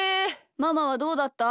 ママはどうだった？